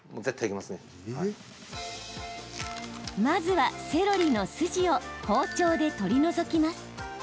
まずは、セロリの筋を包丁で取り除きます。